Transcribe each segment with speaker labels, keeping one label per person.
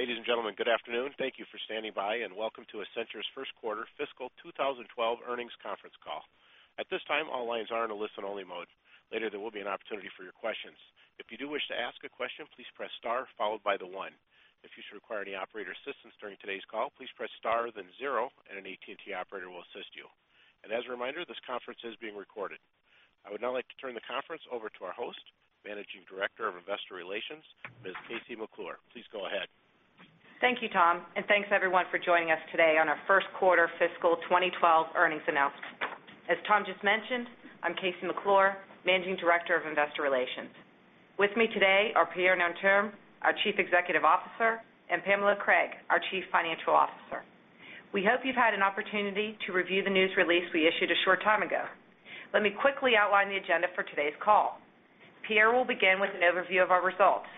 Speaker 1: Ladies and gentlemen, good afternoon. Thank you for standing by, and welcome to Accenture's First Quarter Fiscal 2012 Earnings Conference Call. At this time, all lines are in a listen-only mode. Later, there will be an opportunity for your questions. If you do wish to ask a question, please press star followed by the one. If you should require any operator assistance during today's call, please press star then zero, and an AT&T operator will assist you. As a reminder, this conference is being recorded. I would now like to turn the conference over to our host, Managing Director of Investor Relations, Ms. Kathleen McClure. Please go ahead.
Speaker 2: Thank you, Tom, and thanks everyone for joining us today on our First Quarter Fiscal 2012 Earnings Announcement. As Tom just mentioned, I'm Kathleen McClure, Managing Director of Investor Relations. With me today are Pierre Nanterme, our Chief Executive Officer, and Pamela Craig, our Chief Financial Officer. We hope you've had an opportunity to review the news release we issued a short time ago. Let me quickly outline the agenda for today's call. Pierre will begin with an overview of our results.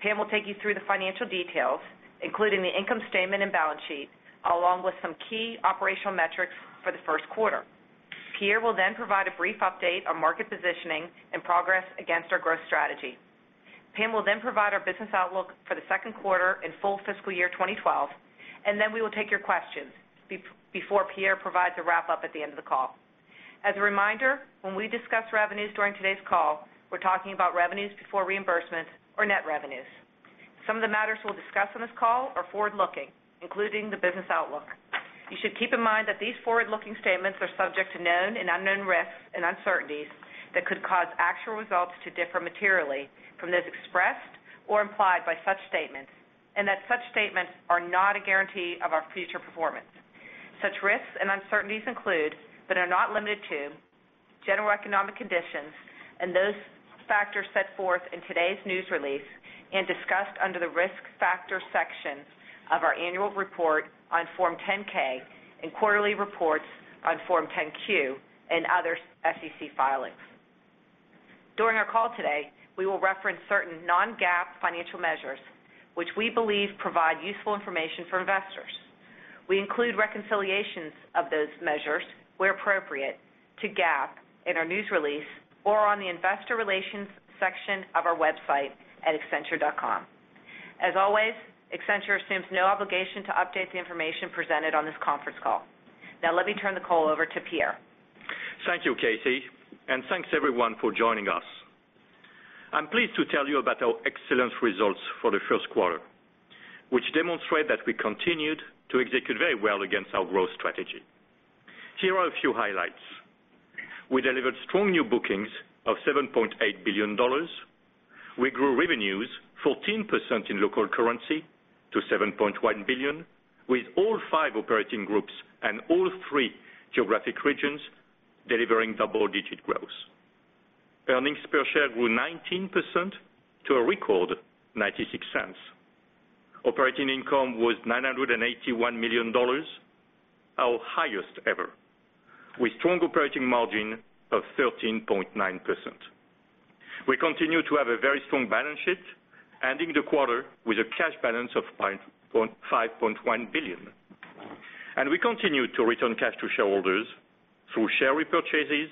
Speaker 2: Pam will take you through the financial details, including the income statement and balance sheet, along with some key operational metrics for the first quarter. Pierre will then provide a brief update on market positioning and progress against our growth strategy. Pam will then provide our business outlook for the second quarter and full fiscal year 2012, and then we will take your questions before Pierre provides a wrap-up at the end of the call. As a reminder, when we discuss revenues during today's call, we're talking about revenues before reimbursements or net revenues. Some of the matters we'll discuss on this call are forward-looking, including the business outlook. You should keep in mind that these forward-looking statements are subject to known and unknown risks and uncertainties that could cause actual results to differ materially from those expressed or implied by such statements, and that such statements are not a guarantee of our future performance. Such risks and uncertainties include, but are not limited to, general economic conditions and those factors set forth in today's news release and discussed under the risk factor section of our annual report on Form 10-K and quarterly reports on Form 10-Q and other SEC filings. During our call today, we will reference certain non-GAAP financial measures, which we believe provide useful information for investors. We include reconciliations of those measures where appropriate to GAAP in our news release or on the Investor Relations section of our website at accenture.com. As always, Accenture assumes no obligation to update the information presented on this conference call. Now, let me turn the call over to Pierre.
Speaker 3: Thank you, KC, and thanks everyone for joining us. I'm pleased to tell you about our excellent results for the first quarter, which demonstrate that we continued to execute very well against our growth strategy. Here are a few highlights. We delivered strong new bookings of $7.8 billion. We grew revenues 14% in local currency to $7.1 billion, with all five operating groups and all three geographic regions delivering double-digit growth. Earnings per share grew 19% to a record $0.96. Operating income was $981 million, our highest ever, with a strong operating margin of 13.9%. We continue to have a very strong balance sheet, ending the quarter with a cash balance of $5.1 billion. We continue to return cash to shareholders through share repurchases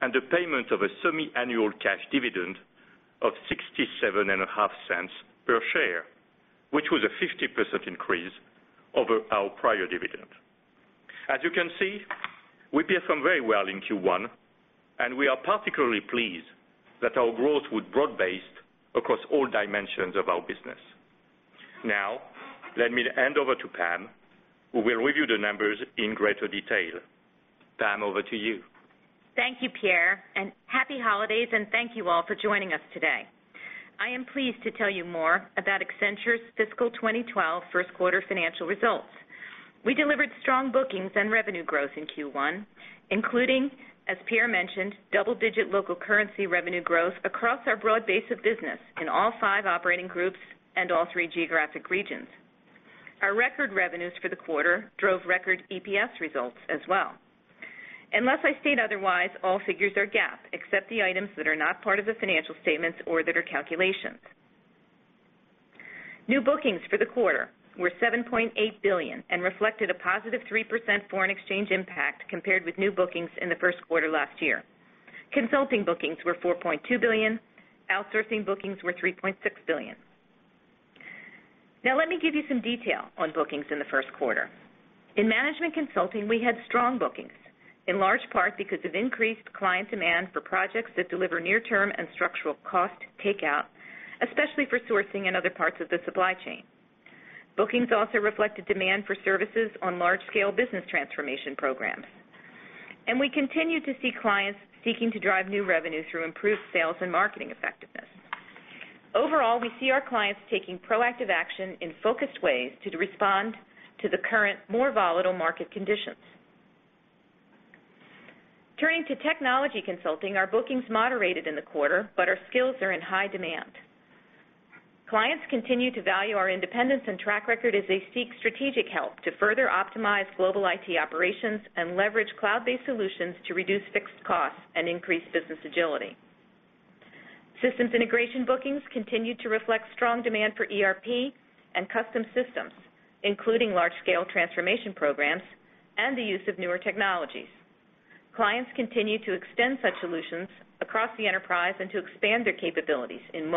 Speaker 3: and the payment of a semi-annual cash dividend of $0.675 per share, which was a 50% increase over our prior dividend. As you can see, we performed very well in Q1, and we are particularly pleased that our growth was broad-based across all dimensions of our business. Now, let me hand over to Pam, who will review the numbers in greater detail. Pam, over to you.
Speaker 4: Thank you, Pierre, and happy holidays, and thank you all for joining us today. I am pleased to tell you more about Accenture's Fiscal 2012 First Quarter Financial Results. We delivered strong bookings and revenue growth in Q1, including, as Pierre mentioned, double-digit local currency revenue growth across our broad base of business in all five operating groups and all three geographic regions. Our record revenues for the quarter drove record EPS results as well. Unless I state otherwise, all figures are GAAP except the items that are not part of the financial statements or that are calculations. New bookings for the quarter were $7.8 billion and reflected a positive 3% foreign exchange impact compared with new bookings in the first quarter last year. Consulting bookings were $4.2 billion. Outsourcing bookings were $3.6 billion. Now, let me give you some detail on bookings in the first quarter. In management consulting, we had strong bookings, in large part because of increased client demand for projects that deliver near-term and structural cost takeout, especially for sourcing and other parts of the supply chain. Bookings also reflected demand for services on large-scale business transformation programs. We continue to see clients seeking to drive new revenue through improved sales and marketing effectiveness. Overall, we see our clients taking proactive action in focused ways to respond to the current more volatile market conditions. Turning to technology consulting, our bookings moderated in the quarter, but our skills are in high demand. Clients continue to value our independence and track record as they seek strategic help to further optimize global IT operations and leverage cloud-based solutions to reduce fixed costs and increase business agility. Systems integration bookings continue to reflect strong demand for ERP and custom systems, including large-scale transformation programs and the use of newer technologies. Clients continue to extend such solutions across the enterprise and to expand their capabilities in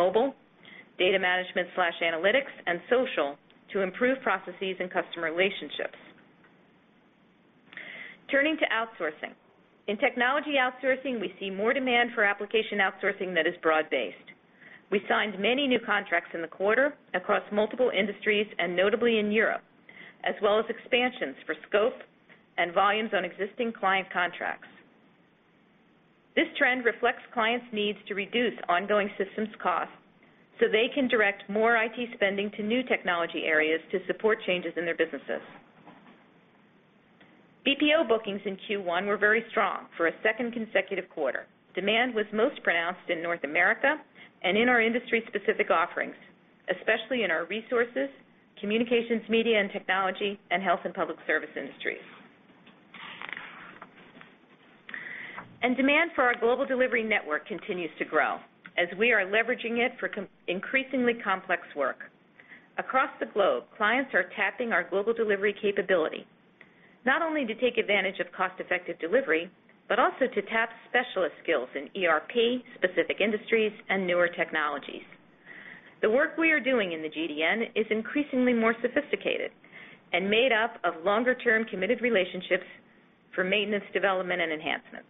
Speaker 4: mobile, data management/analytics, and social to improve processes and customer relationships. Turning to outsourcing, in technology outsourcing, we see more demand for application outsourcing that is broad-based. We signed many new contracts in the quarter across multiple industries and notably in Europe, as well as expansions for scope and volumes on existing client contracts. This trend reflects clients' needs to reduce ongoing systems costs so they can direct more IT spending to new technology areas to support changes in their businesses. BPO bookings in Q1 were very strong for a second consecutive quarter. Demand was most pronounced in North America and in our industry-specific offerings, especially in our resources, communications, media, and technology, and health and public service industries. Demand for our global delivery network continues to grow as we are leveraging it for increasingly complex work. Across the globe, clients are tapping our global delivery capability, not only to take advantage of cost-effective delivery, but also to tap specialist skills in ERP, specific industries, and newer technologies. The work we are doing in the global delivery network is increasingly more sophisticated and made up of longer-term committed relationships for maintenance, development, and enhancements.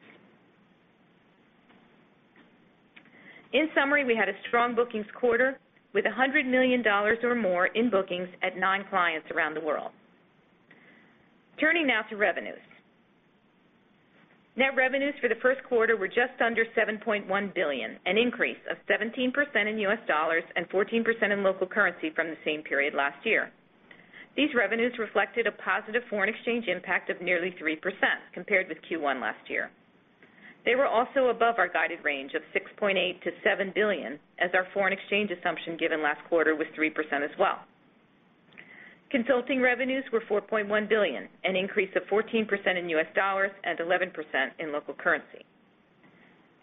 Speaker 4: In summary, we had a strong bookings quarter with $100 million or more in bookings at nine clients around the world. Turning now to revenues, net revenues for the first quarter were just under $7.1 billion, an increase of 17% in U.S. dollars and 14% in local currency from the same period last year. These revenues reflected a positive foreign exchange impact of nearly 3% compared with Q1 last year. They were also above our guided range of $6.8 billion-$7 billion, as our foreign exchange assumption given last quarter was 3% as well. Consulting revenues were $4.1 billion, an increase of 14% in U.S. dollars and 11% in local currency.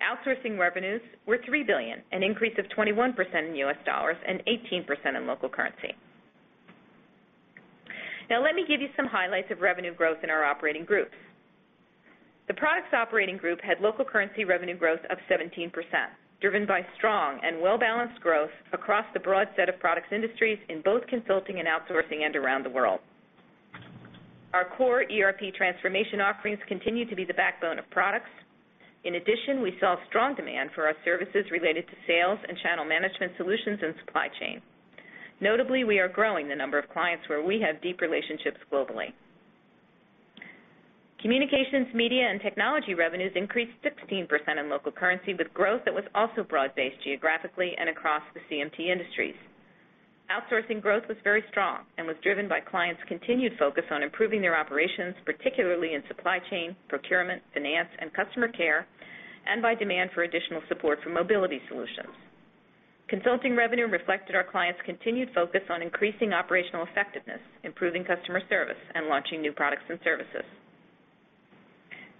Speaker 4: Outsourcing revenues were $3 billion, an increase of 21% in U.S. dollars and 18% in local currency. Now, let me give you some highlights of revenue growth in our operating groups. The products operating group had local currency revenue growth of 17%, driven by strong and well-balanced growth across the broad set of products industries in both consulting and outsourcing and around the world. Our core ERP transformation offerings continue to be the backbone of products. In addition, we saw strong demand for our services related to sales and channel management solutions and supply chain. Notably, we are growing the number of clients where we have deep relationships globally. Communications, media, and technology revenues increased 16% in local currency with growth that was also broad-based geographically and across the CMT industries. Outsourcing growth was very strong and was driven by clients' continued focus on improving their operations, particularly in supply chain, procurement, finance, and customer care, and by demand for additional support for mobility solutions. Consulting revenue reflected our clients' continued focus on increasing operational effectiveness, improving customer service, and launching new products and services.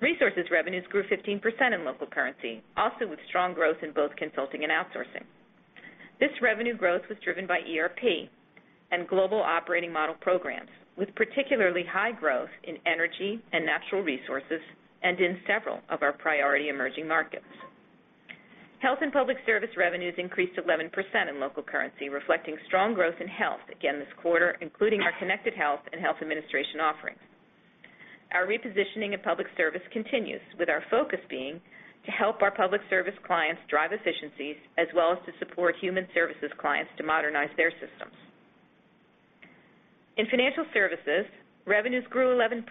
Speaker 4: Resources revenues grew 15% in local currency, also with strong growth in both consulting and outsourcing. This revenue growth was driven by ERP and global operating model programs, with particularly high growth in energy and natural resources and in several of our priority emerging markets. Health and public service revenues increased 11% in local currency, reflecting strong growth in health again this quarter, including our connected health and health administration offerings. Our repositioning in public service continues, with our focus being to help our public service clients drive efficiencies, as well as to support human services clients to modernize their systems. In financial services, revenues grew 11%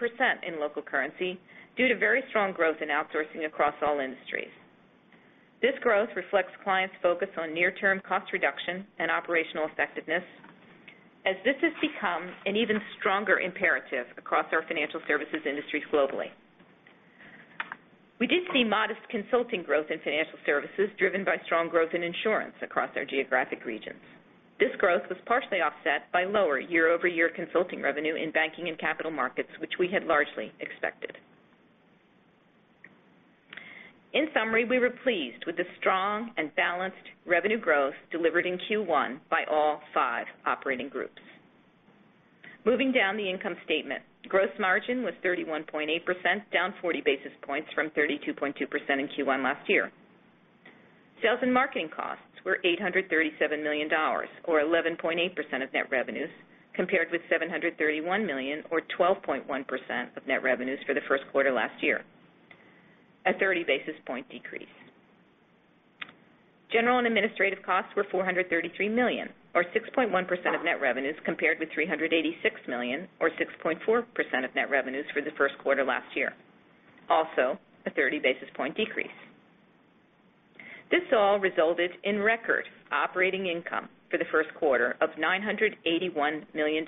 Speaker 4: in local currency due to very strong growth in outsourcing across all industries. This growth reflects clients' focus on near-term cost reduction and operational effectiveness, as this has become an even stronger imperative across our financial services industries globally. We did see modest consulting growth in financial services, driven by strong growth in insurance across their geographic regions. This growth was partially offset by lower year-over-year consulting revenue in banking and capital markets, which we had largely expected. In summary, we were pleased with the strong and balanced revenue growth delivered in Q1 by all five operating groups. Moving down the income statement, gross margin was 31.8%, down 40 basis points from 32.2% in Q1 last year. Sales and marketing costs were $837 million, or 11.8% of net revenues, compared with $731 million, or 12.1% of net revenues for the first quarter last year, a 30 basis point decrease. General and administrative costs were $433 million, or 6.1% of net revenues, compared with $386 million, or 6.4% of net revenues for the first quarter last year, also a 30 basis point decrease. This all resulted in record operating income for the first quarter of $981 million,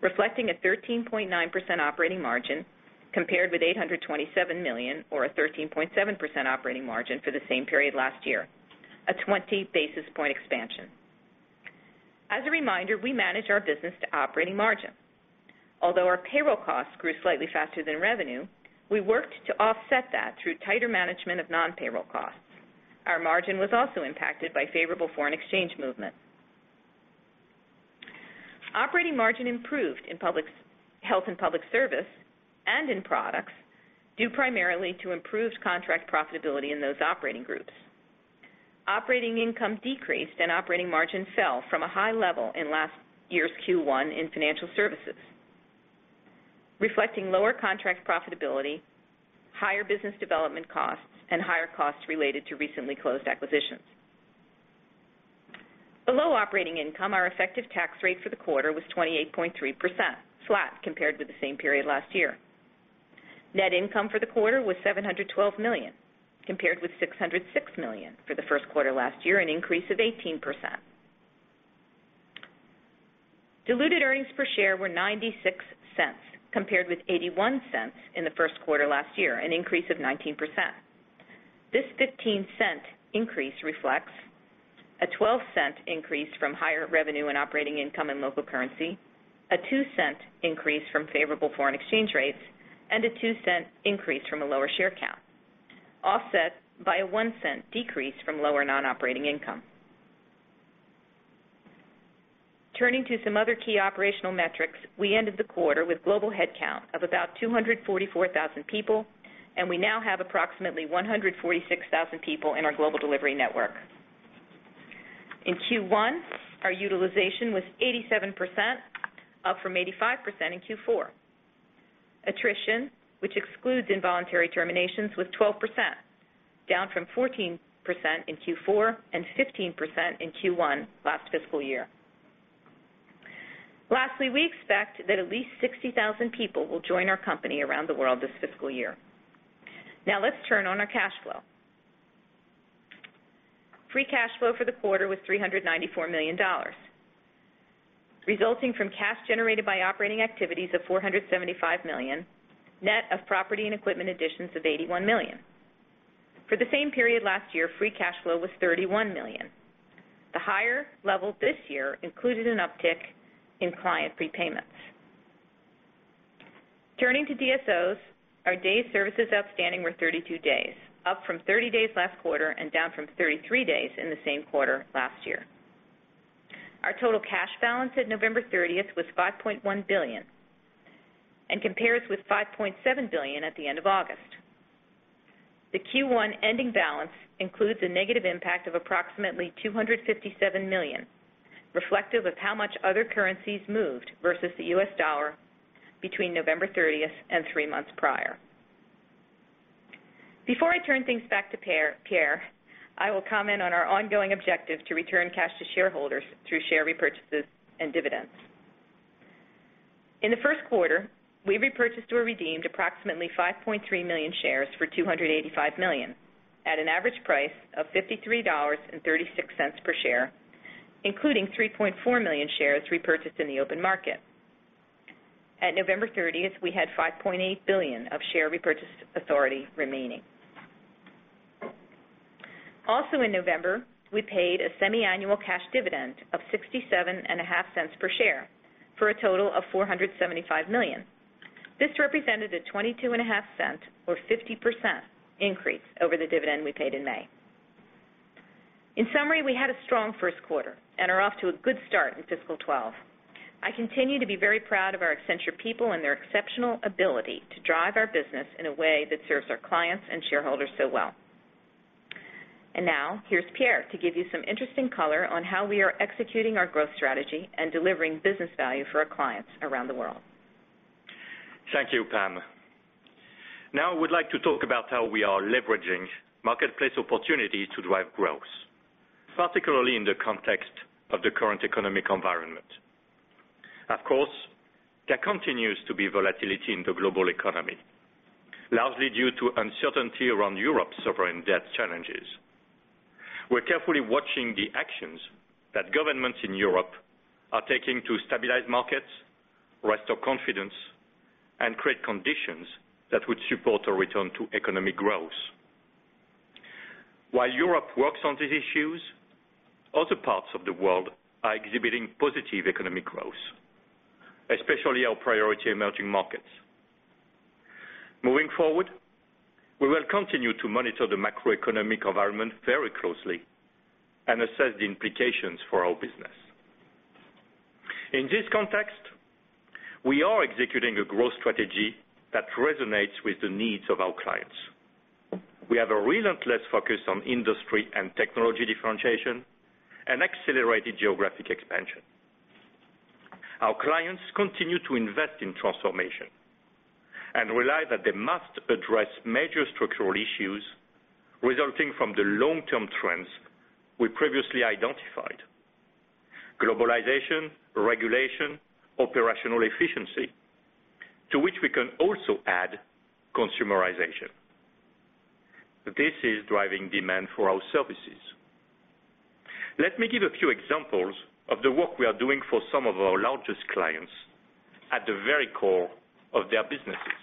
Speaker 4: reflecting a 13.9% operating margin compared with $827 million, or a 13.7% operating margin for the same period last year, a 20 basis point expansion. As a reminder, we manage our business to operating margin. Although our payroll costs grew slightly faster than revenue, we worked to offset that through tighter management of non-payroll costs. Our margin was also impacted by favorable foreign exchange movement. Operating margin improved in health and public service and in products, due primarily to improved contract profitability in those operating groups. Operating income decreased and operating margin fell from a high level in last year's Q1 in financial services, reflecting lower contract profitability, higher business development costs, and higher costs related to recently closed acquisitions. Below operating income, our effective tax rate for the quarter was 28.3%, flat compared with the same period last year. Net income for the quarter was $712 million, compared with $606 million for the first quarter last year, an increase of 18%. Diluted earnings per share were $0.96, compared with $0.81 in the first quarter last year, an increase of 19%. This $0.15 increase reflects a $0.12 increase from higher revenue and operating income in local currency, a $0.02 increase from favorable foreign exchange rates, and a $0.02 increase from a lower share count, offset by a $0.01 decrease from lower non-operating income. Turning to some other key operational metrics, we ended the quarter with global headcount of about 244,000 people, and we now have approximately 146,000 people in our global delivery network. In Q1, our utilization was 87%, up from 85% in Q4. Attrition, which excludes involuntary terminations, was 12%, down from 14% in Q4 and 15% in Q1 last fiscal year. Lastly, we expect that at least 60,000 people will join our company around the world this fiscal year. Now, let's turn on our cash flow. Free cash flow for the quarter was $394 million, resulting from cash generated by operating activities of $475 million, net of property and equipment additions of $81 million. For the same period last year, free cash flow was $31 million. The higher level this year included an uptick in client prepayments. Turning to DSOs, our days sales outstanding were 32 days, up from 30 days last quarter and down from 33 days in the same quarter last year. Our total cash balance at November 30th was $5.1 billion and compares with $5.7 billion at the end of August. The Q1 ending balance includes a negative impact of approximately $257 million, reflective of how much other currencies moved versus the U.S. dollar between November 30th and three months prior. Before I turn things back to Pierre, I will comment on our ongoing objective to return cash to shareholders through share repurchases and dividends. In the first quarter, we repurchased or redeemed approximately 5.3 million shares for $285 million at an average price of $53.36 per share, including 3.4 million shares repurchased in the open market. At November 30th, we had $5.8 billion of share repurchase authority remaining. Also, in November, we paid a semi-annual cash dividend of $0.675 per share for a total of $475 million. This represented a 22.5% or 50% increase over the dividend we paid in May. In summary, we had a strong first quarter and are off to a good start in fiscal 2012. I continue to be very proud of our Accenture people and their exceptional ability to drive our business in a way that serves our clients and shareholders so well. Now, here's Pierre to give you some interesting color on how we are executing our growth strategy and delivering business value for our clients around the world.
Speaker 3: Thank you, Pam. Now, I would like to talk about how we are leveraging marketplace opportunities to drive growth, particularly in the context of the current economic environment. Of course, there continues to be volatility in the global economy, largely due to uncertainty around Europe's sovereign debt challenges. We're carefully watching the actions that governments in Europe are taking to stabilize markets, restore confidence, and create conditions that would support a return to economic growth. While Europe works on these issues, other parts of the world are exhibiting positive economic growth, especially our priority emerging markets. Moving forward, we will continue to monitor the macroeconomic environment very closely and assess the implications for our business. In this context, we are executing a growth strategy that resonates with the needs of our clients. We have a relentless focus on industry and technology differentiation and accelerated geographic expansion. Our clients continue to invest in transformation and realize that they must address major structural issues resulting from the long-term trends we previously identified: globalization, regulation, operational efficiency, to which we can also add consumerization. This is driving demand for our services. Let me give a few examples of the work we are doing for some of our largest clients at the very core of their businesses.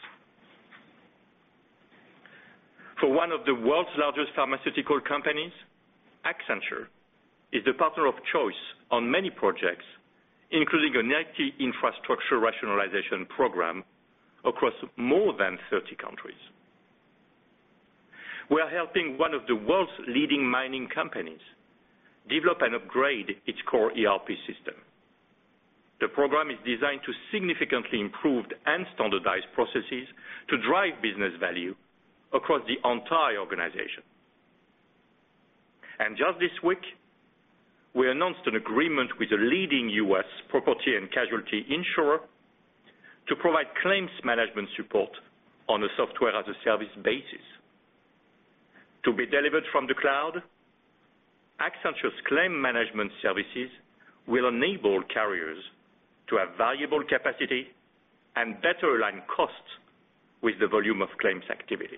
Speaker 3: For one of the world's largest pharmaceutical companies, Accenture is the partner of choice on many projects, including an IT infrastructure rationalization program across more than 30 countries. We are helping one of the world's leading mining companies develop and upgrade its core ERP system. The program is designed to significantly improve and standardize processes to drive business value across the entire organization. Just this week, we announced an agreement with a leading U.S. property and casualty insurer to provide claims management support on a software-as-a-service basis. To be delivered from the cloud, Accenture's claim management services will enable carriers to have variable capacity and better align costs with the volume of claims activity.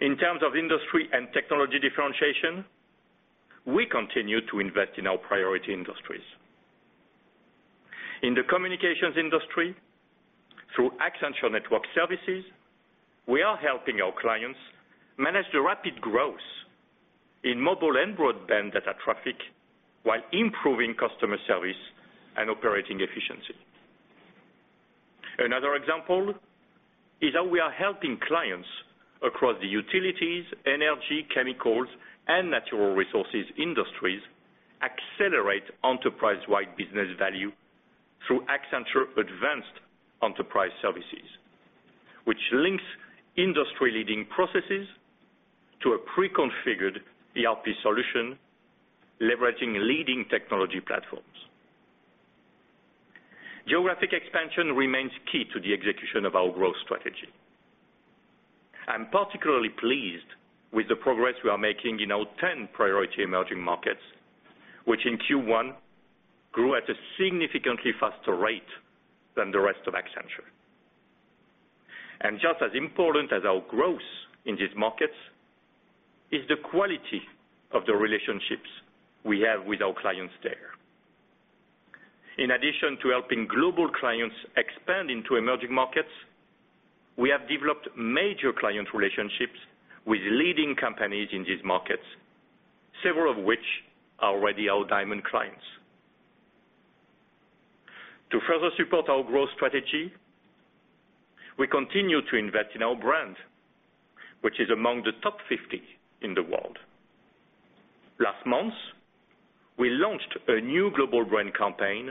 Speaker 3: In terms of industry and technology differentiation, we continue to invest in our priority industries. In the communications industry, through Accenture Network Services, we are helping our clients manage the rapid growth in mobile and broadband data traffic while improving customer service and operating efficiency. Another example is how we are helping clients across the utilities, energy, chemicals, and natural resources industries accelerate enterprise-wide business value through Accenture Advanced Enterprise Services, which links industry-leading processes to a pre-configured ERP solution, leveraging leading technology platforms. Geographic expansion remains key to the execution of our growth strategy. I'm particularly pleased with the progress we are making in our ten priority emerging markets, which in Q1 grew at a significantly faster rate than the rest of Accenture. Just as important as our growth in these markets is the quality of the relationships we have with our clients there. In addition to helping global clients expand into emerging markets, we have developed major client relationships with leading companies in these markets, several of which are already our diamond clients. To further support our growth strategy, we continue to invest in our brand, which is among the top 50 in the world. Last month, we launched a new global brand campaign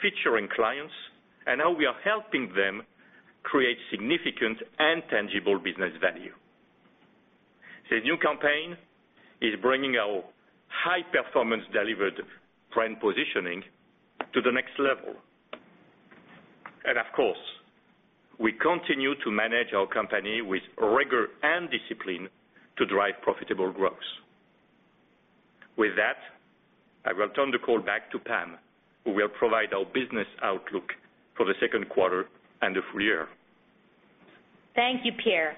Speaker 3: featuring clients and how we are helping them create significant and tangible business value. This new campaign is bringing our high-performance delivered brand positioning to the next level. Of course, we continue to manage our company with rigor and discipline to drive profitable growth. With that, I will turn the call back to Pam, who will provide our business outlook for the second quarter and the full year.
Speaker 4: Thank you, Pierre.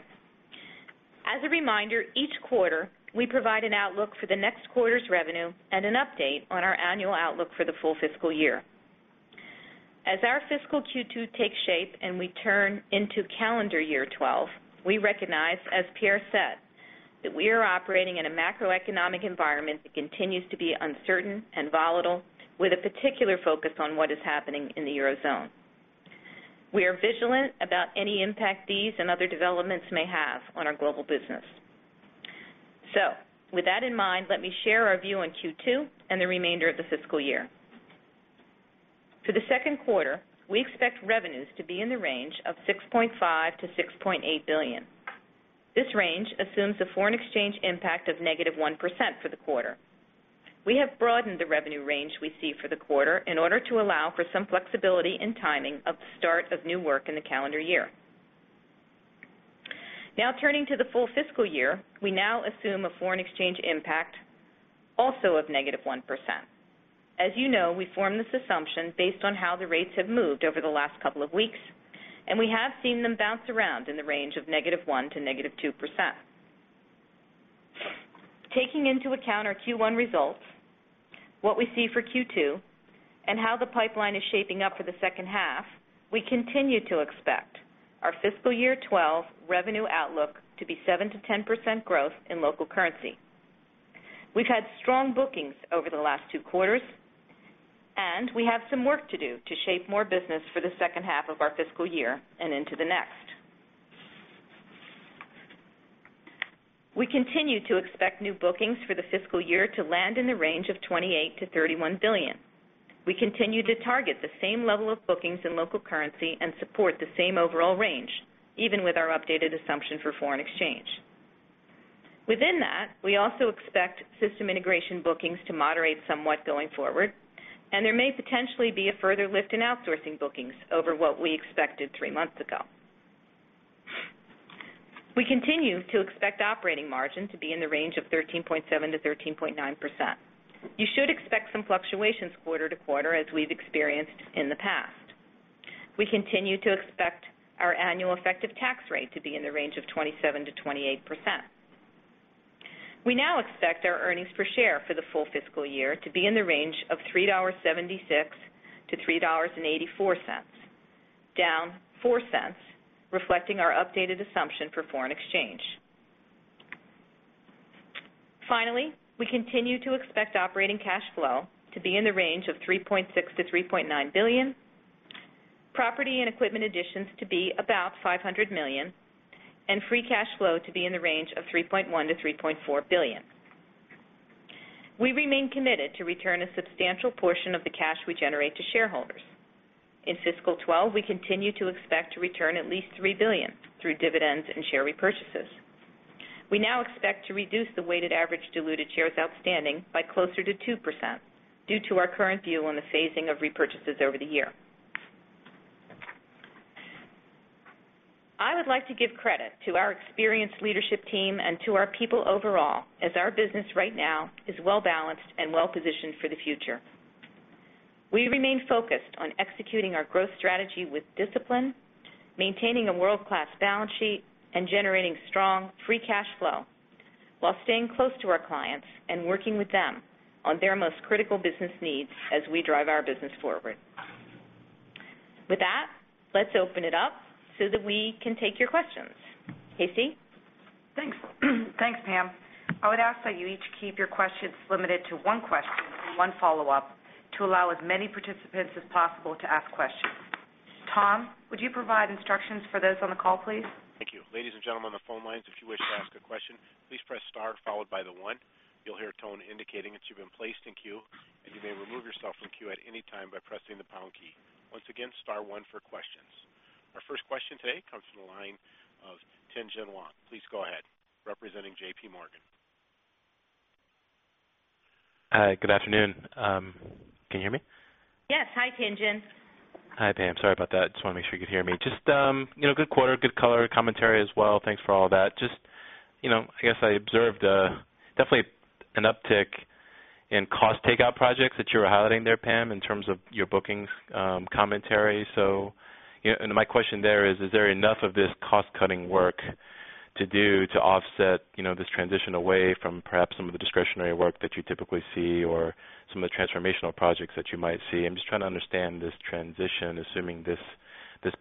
Speaker 4: As a reminder, each quarter, we provide an outlook for the next quarter's revenue and an update on our annual outlook for the full fiscal year. As our fiscal Q2 takes shape and we turn into calendar year 2012, we recognize, as Pierre said, that we are operating in a macroeconomic environment that continues to be uncertain and volatile, with a particular focus on what is happening in the Eurozone. We are vigilant about any impact these and other developments may have on our global business. With that in mind, let me share our view on Q2 and the remainder of the fiscal year. For the second quarter, we expect revenues to be in the range of $6.5 billion-$6.8 billion. This range assumes a foreign exchange impact of -1% for the quarter. We have broadened the revenue range we see for the quarter in order to allow for some flexibility in timing of the start of new work in the calendar year. Now, turning to the full fiscal year, we now assume a foreign exchange impact also of -1%. As you know, we formed this assumption based on how the rates have moved over the last couple of weeks, and we have seen them bounce around in the range of -1% to -2%. Taking into account our Q1 results, what we see for Q2, and how the pipeline is shaping up for the second half, we continue to expect our fiscal year 2012 revenue outlook to be 7%-10% growth in local currency. We've had strong bookings over the last two quarters, and we have some work to do to shape more business for the second half of our fiscal year and into the next. We continue to expect new bookings for the fiscal year to land in the range of $28 billion-$31 billion. We continue to target the same level of bookings in local currency and support the same overall range, even with our updated assumption for foreign exchange. Within that, we also expect system integration bookings to moderate somewhat going forward, and there may potentially be a further lift in outsourcing bookings over what we expected three months ago. We continue to expect operating margin to be in the range of 13.7%-13.9%. You should expect some fluctuations quarter-to-quarter, as we've experienced in the past. We continue to expect our annual effective tax rate to be in the range of 27%-28%. We now expect our earnings per share for the full fiscal year to be in the range of $3.76-$3.84, down $0.04, reflecting our updated assumption for foreign exchange. Finally, we continue to expect operating cash flow to be in the range of $3.6 billion-$3.9 billion, property and equipment additions to be about $500 million, and free cash flow to be in the range of $3.1 billion-$3.4 billion. We remain committed to return a substantial portion of the cash we generate to shareholders. In fiscal 2012, we continue to expect to return at least $3 billion through dividends and share repurchases. We now expect to reduce the weighted average diluted shares outstanding by closer to 2% due to our current view on the phasing of repurchases over the year. I would like to give credit to our experienced leadership team and to our people overall, as our business right now is well-balanced and well-positioned for the future. We remain focused on executing our growth strategy with discipline, maintaining a world-class balance sheet, and generating strong free cash flow while staying close to our clients and working with them on their most critical business needs as we drive our business forward. With that, let's open it up so that we can take your questions. KC?
Speaker 2: Thanks, Pam. I would ask that you each keep your questions limited to one question, one follow-up to allow as many participants as possible to ask questions. Tom, would you provide instructions for those on the call, please?
Speaker 1: Thank you. Ladies and gentlemen on the phone lines, if you wish to ask a question, please press star followed by the one. You'll hear a tone indicating that you've been placed in queue, and you may remove yourself from queue at any time by pressing the pound key. Once again, star one for questions. Our first question today comes from the line of Tien-Tsin Huang. Please go ahead, representing JPMorgan.
Speaker 5: Hi. Good afternoon. Can you hear me?
Speaker 4: Yes. Hi, Tien-Tsin.
Speaker 5: Hi, Pam. Sorry about that. Just wanted to make sure you could hear me. Good quarter, good color commentary as well. Thanks for all of that. I guess I observed definitely an uptick in cost takeout projects that you were highlighting there, Pam, in terms of your bookings commentary. My question there is, is there enough of this cost-cutting work to do to offset this transition away from perhaps some of the discretionary work that you typically see or some of the transformational projects that you might see? I'm just trying to understand this transition, assuming this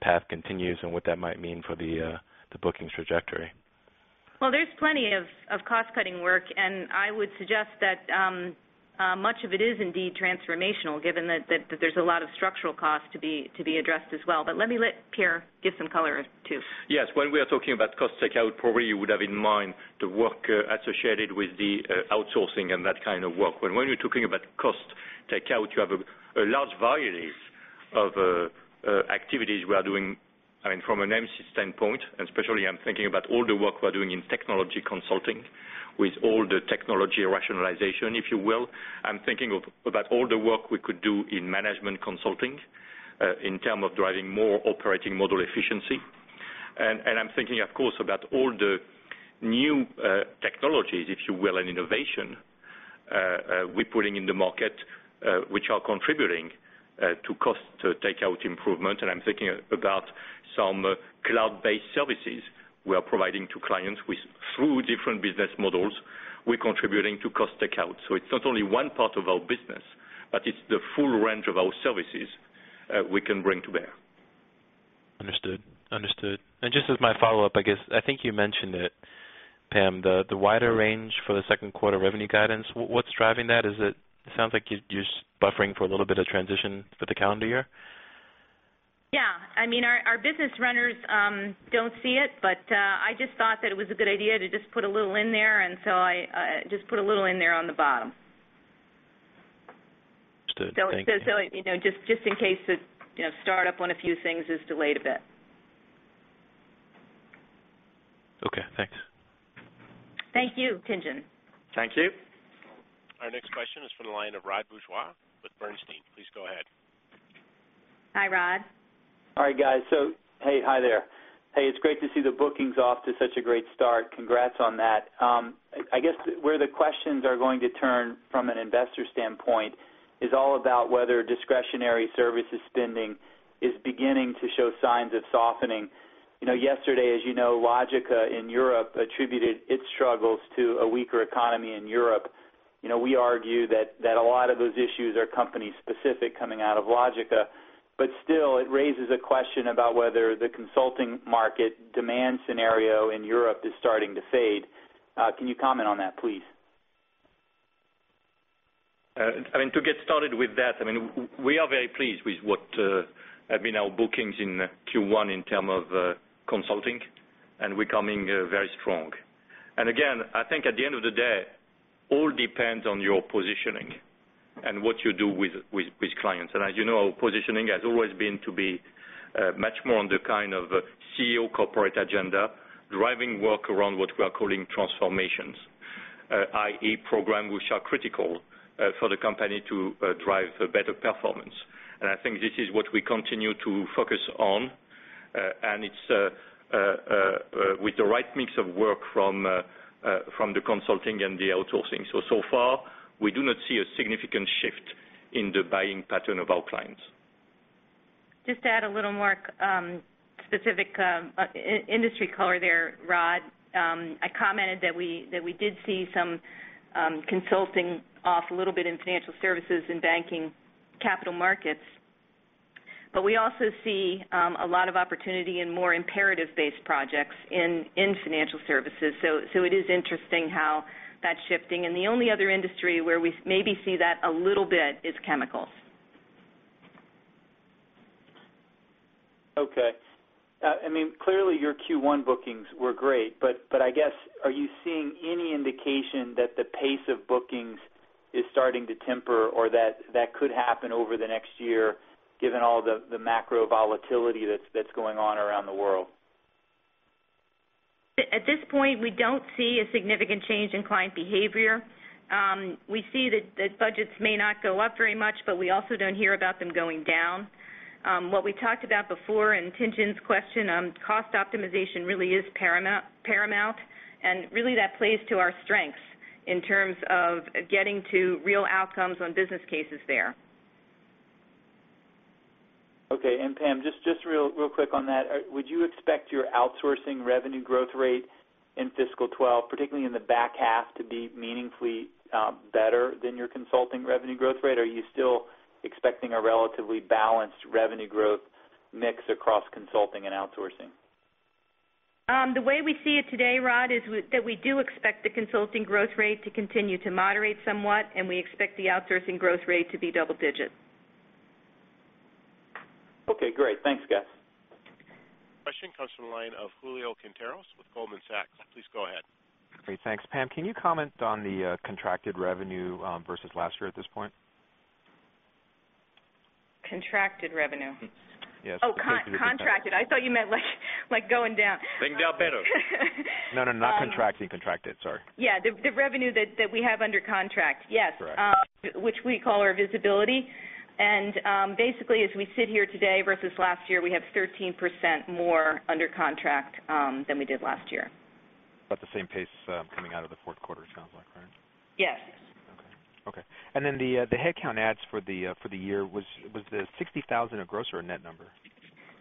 Speaker 5: path continues and what that might mean for the bookings trajectory.
Speaker 4: There is plenty of cost-cutting work, and I would suggest that much of it is indeed transformational, given that there's a lot of structural costs to be addressed as well. Let me let Pierre give some color to.
Speaker 3: Yes. When we are talking about cost takeout, probably you would have in mind the work associated with the outsourcing and that kind of work. When you're talking about cost takeout, you have a large variety of activities we are doing. I mean, from an MC standpoint, and especially I'm thinking about all the work we're doing in technology consulting with all the technology rationalization, if you will. I'm thinking about all the work we could do in management consulting, in terms of driving more operating model efficiency. I'm thinking, of course, about all the new technologies, if you will, and innovation, we're putting in the market, which are contributing to cost takeout improvement. I'm thinking about some cloud-based services we are providing to clients through different business models, we're contributing to cost takeout. It's not only one part of our business, but it's the full range of our services we can bring to bear.
Speaker 5: Understood. Just as my follow-up, I guess, I think you mentioned it, Pam, the wider range for the second quarter revenue guidance. What's driving that? It sounds like you're buffering for a little bit of transition for the calendar year?
Speaker 4: Yeah, our business runners don't see it, but I just thought that it was a good idea to just put a little in there. I just put a little in there on the bottom.
Speaker 5: Understood. Thank you.
Speaker 4: Just in case the startup on a few things is delayed a bit.
Speaker 5: OK. Thanks.
Speaker 4: Thank you, Tien-Tsin.
Speaker 3: Thank you.
Speaker 1: Our next question is from the line of Rod Bourgeois with Bernstein. Please go ahead.
Speaker 4: Hi, Rod.
Speaker 6: All right, guys. Hi there. It's great to see the bookings off to such a great start. Congrats on that. I guess where the questions are going to turn from an investor standpoint is all about whether discretionary services spending is beginning to show signs of softening. Yesterday, as you know, Logica in Europe attributed its struggles to a weaker economy in Europe. We argue that a lot of those issues are company-specific coming out of Logica. Still, it raises a question about whether the consulting market demand scenario in Europe is starting to fade. Can you comment on that, please?
Speaker 3: To get started with that, we are very pleased with what have been our bookings in Q1 in terms of consulting, and we're coming very strong. I think at the end of the day, all depends on your positioning and what you do with clients. As you know, our positioning has always been to be much more on the kind of CEO corporate agenda, driving work around what we are calling transformations, i.e., programs which are critical for the company to drive better performance. I think this is what we continue to focus on, and it's with the right mix of work from the consulting and the outsourcing. So far, we do not see a significant shift in the buying pattern of our clients.
Speaker 4: Just to add a little more specific industry color there, Rod, I commented that we did see some consulting off a little bit in financial services and banking capital markets. We also see a lot of opportunity in more imperative-based projects in financial services. It is interesting how that's shifting. The only other industry where we maybe see that a little bit is chemicals.
Speaker 6: OK. I mean, clearly, your Q1 bookings were great, but I guess are you seeing any indication that the pace of bookings is starting to temper or that that could happen over the next year, given all the macro volatility that's going on around the world?
Speaker 4: At this point, we don't see a significant change in client behavior. We see that budgets may not go up very much, but we also don't hear about them going down. What we talked about before in Tien-Tsin's question, cost optimization really is paramount. That plays to our strengths in terms of getting to real outcomes on business cases there.
Speaker 6: Pam, just real quick on that, would you expect your outsourcing revenue growth rate in fiscal 2012, particularly in the back half, to be meaningfully better than your consulting revenue growth rate? Are you still expecting a relatively balanced revenue growth mix across consulting and outsourcing?
Speaker 4: The way we see it today, Rod, is that we do expect the consulting growth rate to continue to moderate somewhat, and we expect the outsourcing growth rate to be double-digit.
Speaker 6: OK, great. Thanks, guys.
Speaker 1: Question comes from the line of Julio Quinteros with Goldman Sachs. Please go ahead.
Speaker 7: Hey, thanks, Pam. Can you comment on the contracted revenue versus last year at this point?
Speaker 4: Contracted revenue?
Speaker 7: Yes.
Speaker 4: Oh, contracted. I thought you meant like going down.
Speaker 3: Going down better.
Speaker 7: No, not contracting. Contracted, sorry.
Speaker 4: Yeah, the revenue that we have under contract, which we call our visibility, basically, as we sit here today versus last year, we have 13% more under contract than we did last year.
Speaker 7: At the same pace coming out of the fourth quarter, it sounds like, right?
Speaker 4: Yes.
Speaker 7: OK. OK. Was the headcount adds for the year, the 60,000, a gross or a net number?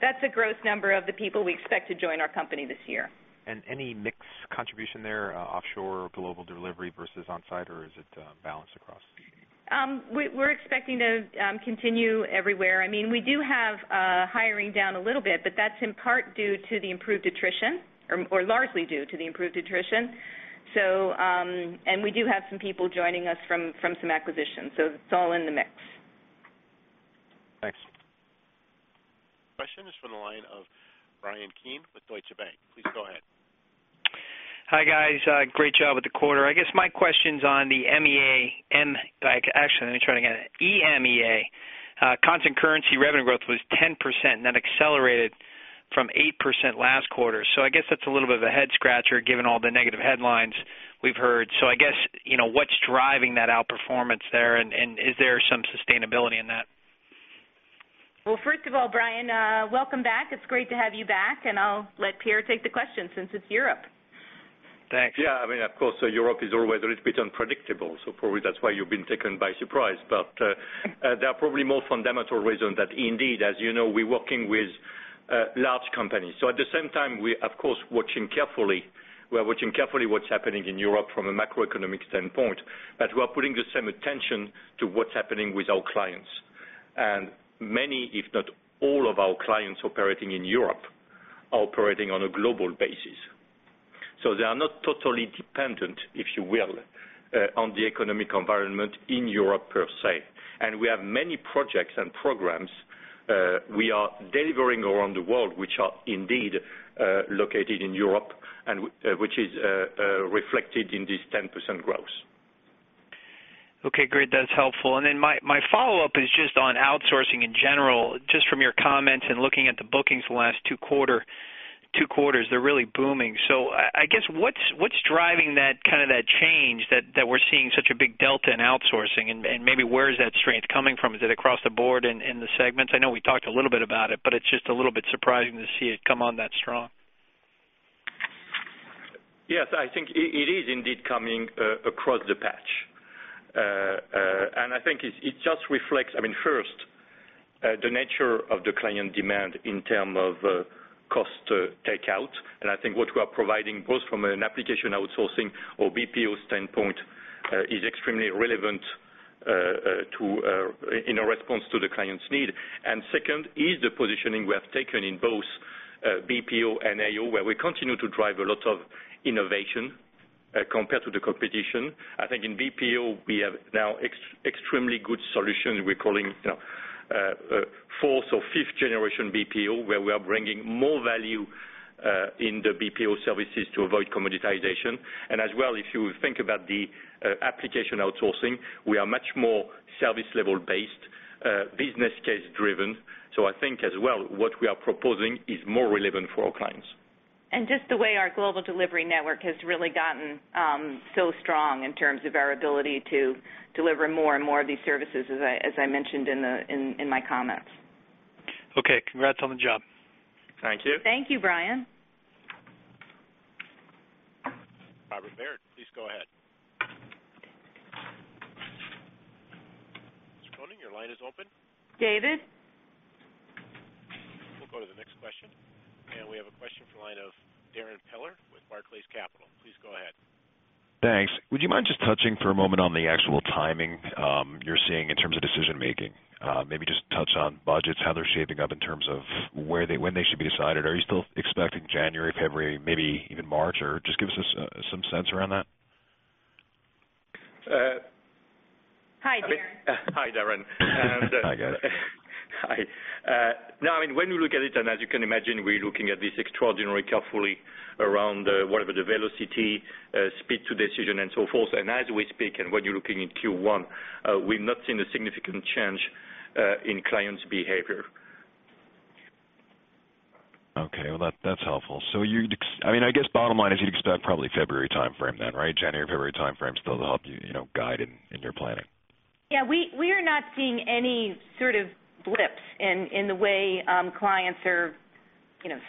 Speaker 4: That's a gross number of the people we expect to join our company this year.
Speaker 7: there any mixed contribution there, offshore or global delivery versus on-site, or is it balanced across?
Speaker 4: We're expecting to continue everywhere. We do have hiring down a little bit, but that's in part due to the improved attrition or largely due to the improved attrition. We do have some people joining us from some acquisitions. It's all in the mix.
Speaker 7: Thanks.
Speaker 1: Question is from the line of Bryan Keane with Deutsche Bank. Please go ahead.
Speaker 8: Hi, guys. Great job with the quarter. I guess my question's on the EMEA. EMEA constant currency revenue growth was 10%, and that accelerated from 8% last quarter. That's a little bit of a head scratcher, given all the negative headlines we've heard. I guess, you know, what's driving that outperformance there, and is there some sustainability in that?
Speaker 4: First of all, Bryan, welcome back. It's great to have you back. I'll let Pierre take the question since it's Europe.
Speaker 8: Thanks.
Speaker 3: Yeah, I mean, of course, Europe is always a little bit unpredictable. Probably that's why you've been taken by surprise. There are probably more fundamental reasons that, indeed, as you know, we're working with large companies. At the same time, we are, of course, watching carefully. We are watching carefully what's happening in Europe from a macroeconomic standpoint, but we are putting the same attention to what's happening with our clients. Many, if not all, of our clients operating in Europe are operating on a global basis. They are not totally dependent, if you will, on the economic environment in Europe per se. We have many projects and programs we are delivering around the world, which are indeed located in Europe, and which is reflected in this 10% growth.
Speaker 8: OK, great. That's helpful. My follow-up is just on outsourcing in general. Just from your comments and looking at the bookings in the last two quarters, they're really booming. I guess what's driving that kind of change that we're seeing such a big delta in outsourcing? Maybe where is that strength coming from? Is it across the board in the segments? I know we talked a little bit about it, but it's just a little bit surprising to see it come on that strong.
Speaker 3: Yes, I think it is indeed coming across the patch. I think it just reflects, first, the nature of the client demand in terms of cost takeout. I think what we are providing, both from an application outsourcing or BPO standpoint, is extremely relevant in response to the client's need. Second is the positioning we have taken in both BPO and AO, where we continue to drive a lot of innovation compared to the competition. I think in BPO, we have now extremely good solutions. We're calling fourth or fifth generation BPO, where we are bringing more value in the BPO services to avoid commoditization. If you think about the application outsourcing, we are much more service level based, business case driven. I think as well, what we are proposing is more relevant for our clients.
Speaker 4: The way our global delivery network has really gotten so strong in terms of our ability to deliver more and more of these services, as I mentioned in my comments.
Speaker 8: OK, congrats on the job.
Speaker 3: Thank you.
Speaker 4: Thank you, Bryan.
Speaker 1: ¨¨[Robert], please go ahead. Your line is open.
Speaker 4: David?
Speaker 1: will go to the next question. We have a question from the line of Darrin Peller with Barclays Capital. Please go ahead.
Speaker 9: Thanks. Would you mind just touching for a moment on the actual timing you're seeing in terms of decision making? Maybe just touch on budgets, how they're shaping up in terms of when they should be decided. Are you still expecting January, February, maybe even March? Just give us some sense around that.
Speaker 3: Hi, Darrin.
Speaker 9: Hi, guys.
Speaker 3: No, I mean, when you look at it, and as you can imagine, we're looking at this extraordinarily carefully around whatever the velocity, speed to decision, and so forth. As we speak and when you're looking in Q1, we've not seen a significant change in clients' behavior.
Speaker 9: OK, that's helpful. I mean, I guess bottom line is you'd expect probably February time frame then, right? January, February time frame still to help you guide in your planning.
Speaker 4: Yeah, we are not seeing any sort of blips in the way clients are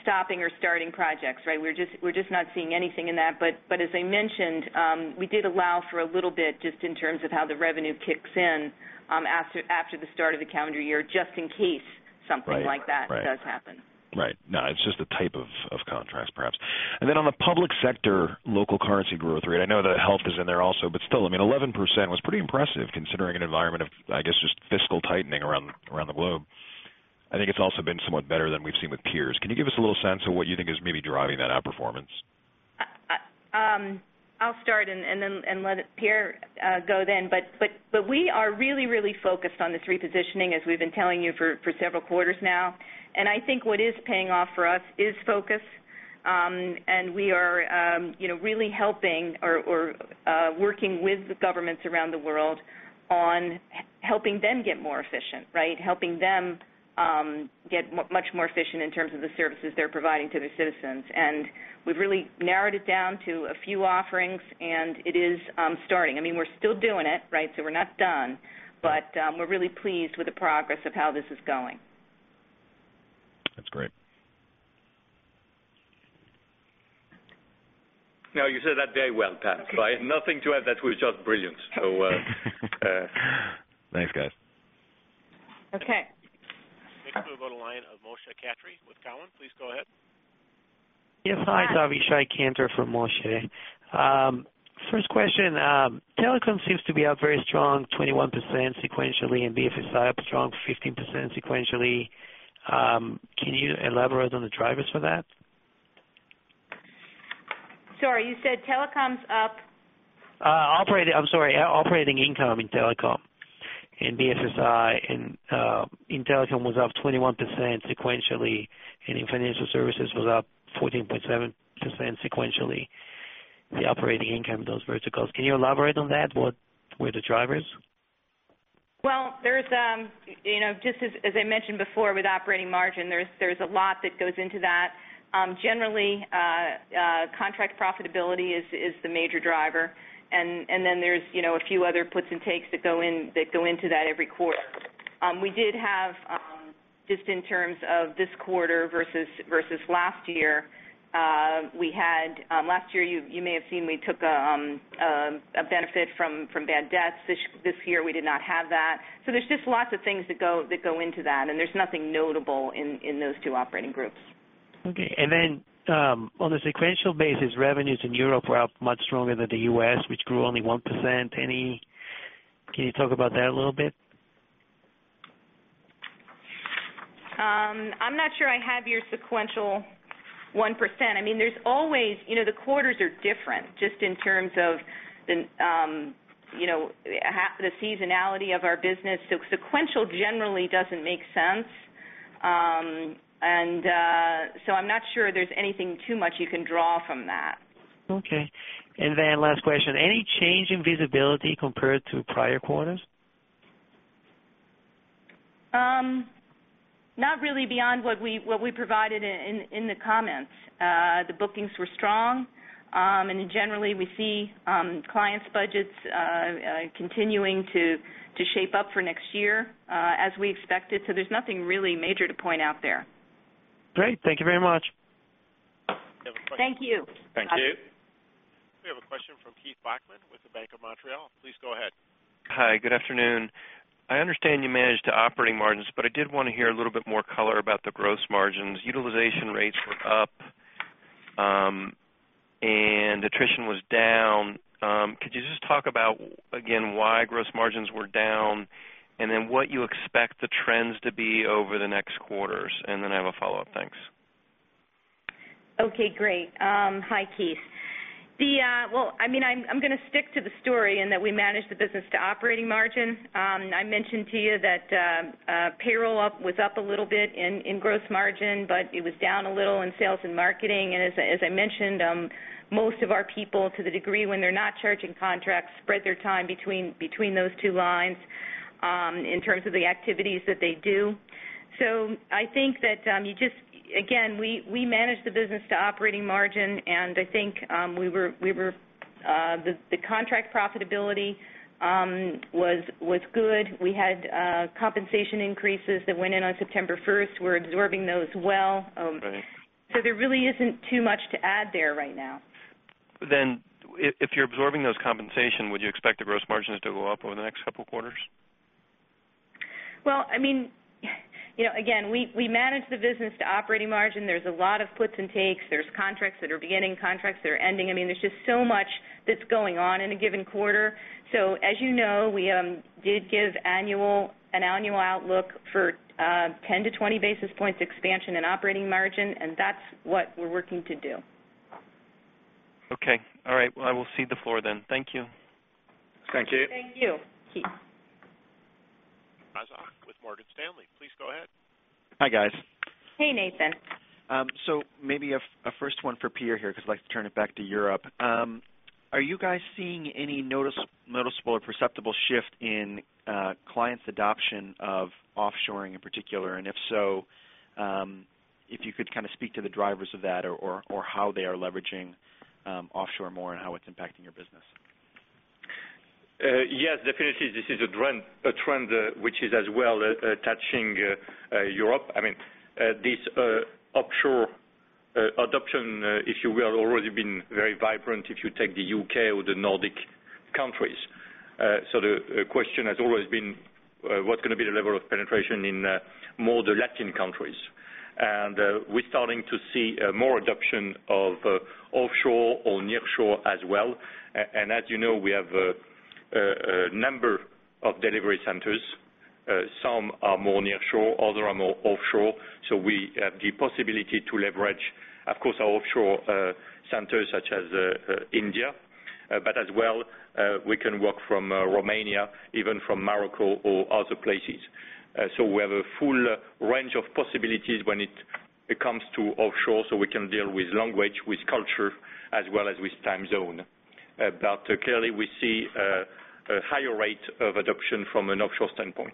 Speaker 4: stopping or starting projects, right? We're just not seeing anything in that. As I mentioned, we did allow for a little bit just in terms of how the revenue kicks in after the start of the calendar year, just in case something like that does happen.
Speaker 9: Right. No, it's just a type of contrast, perhaps. On the public sector local currency growth rate, I know that health is in there also, but still, I mean, 11% was pretty impressive considering an environment of, I guess, just fiscal tightening around the globe. I think it's also been somewhat better than we've seen with peers. Can you give us a little sense of what you think is maybe driving that outperformance?
Speaker 4: I'll start and let Pierre go then. We are really, really focused on this repositioning, as we've been telling you for several quarters now. I think what is paying off for us is focus. We are really helping or working with the governments around the world on helping them get more efficient, right? Helping them get much more efficient in terms of the services they're providing to their citizens. We've really narrowed it down to a few offerings, and it is starting. I mean, we're still doing it, right? We're not done. We're really pleased with the progress of how this is going.
Speaker 9: That's great.
Speaker 3: You said that day went past, right? Nothing to add, that was just brilliant.
Speaker 9: Thanks, guys.
Speaker 4: OK?
Speaker 1: we'll move on to the line of Moshe Katri with Cowen. Please go ahead.
Speaker 10: Yes, hi. It's Avishai Kantor from Moshe. First question, telecom seems to be up very strong, 21% sequentially, and FS up strong, 15% sequentially. Can you elaborate on the drivers for that?
Speaker 4: Sorry, you said telecom's up?
Speaker 10: Operating income in telecom in FS in telecom was up 21% sequentially, and in financial services was up 14.7% sequentially, the operating income in those verticals. Can you elaborate on that? What were the drivers?
Speaker 4: There is, you know, just as I mentioned before with operating margin, a lot that goes into that. Generally, contract profitability is the major driver, and then there are a few other puts and takes that go into that every quarter. In terms of this quarter versus last year, last year, you may have seen we took a benefit from bad debts. This year, we did not have that. There are just lots of things that go into that, and there is nothing notable in those two operating groups.
Speaker 10: OK. On a sequential basis, revenues in Europe were up much stronger than the U.S., which grew only 1%. Can you talk about that a little bit?
Speaker 4: I'm not sure I have your sequential 1%. There's always, you know, the quarters are different just in terms of the seasonality of our business. Sequential generally doesn't make sense, and I'm not sure there's anything too much you can draw from that.
Speaker 10: OK, any change in visibility compared to prior quarters?
Speaker 4: Not really, beyond what we provided in the comments. The bookings were strong, and generally, we see clients' budgets continuing to shape up for next year as we expected. There's nothing really major to point out there.
Speaker 10: Great. Thank you very much.
Speaker 4: Thank you.
Speaker 3: Thank you.
Speaker 1: We have a question from Keith Bachman with Bank of Montreal. Please go ahead.
Speaker 11: Hi, good afternoon. I understand you managed the operating margins, but I did want to hear a little bit more color about the gross margins. Utilization rates were up, and attrition was down. Could you just talk about, again, why gross margins were down and what you expect the trends to be over the next quarters? I have a follow-up. Thanks.
Speaker 4: OK, great. Hi, Keith. I'm going to stick to the story in that we managed the business to operating margin. I mentioned to you that payroll was up a little bit in gross margin, but it was down a little in sales and marketing. As I mentioned, most of our people, to the degree when they're not charging contracts, spread their time between those two lines in terms of the activities that they do. I think that you just, again, we managed the business to operating margin. I think we were, the contract profitability was good. We had compensation increases that went in on September 1st. We're absorbing those well. There really isn't too much to add there right now.
Speaker 11: If you're absorbing those compensation, would you expect the gross margins to go up over the next couple of quarters?
Speaker 4: I mean, you know, again, we managed the business to operating margin. There's a lot of puts and takes. There's contracts that are beginning, contracts that are ending. I mean, there's just so much that's going on in a given quarter. As you know, we did give an annual outlook for 10-20 basis points expansion in operating margin, and that's what we're working to do.
Speaker 11: OK. All right. I will cede the floor then. Thank you.
Speaker 3: Thank you.
Speaker 4: Thank you, Keith.
Speaker 1: Rozof with Morgan Stanley, please go ahead.
Speaker 12: Hi, guys.
Speaker 4: Hey, Nathan.
Speaker 12: Maybe a first one for Pierre here, because I'd like to turn it back to Europe. Are you guys seeing any noticeable or perceptible shift in clients' adoption of offshoring in particular? If so, if you could kind of speak to the drivers of that or how they are leveraging offshore more and how it's impacting your business.
Speaker 3: Yes, definitely. This is a trend which is as well touching Europe. I mean, this offshore adoption, if you will, has already been very vibrant if you take the U.K. or the Nordic countries. The question has always been what's going to be the level of penetration in more of the Latin countries. We're starting to see more adoption of offshore or nearshore as well. As you know, we have a number of delivery centers. Some are more nearshore, others are more offshore. We have the possibility to leverage, of course, our offshore centers, such as India. As well, we can work from Romania, even from Morocco or other places. We have a full range of possibilities when it comes to offshore. We can deal with language, with culture, as well as with time zone. Clearly, we see a higher rate of adoption from an offshore standpoint.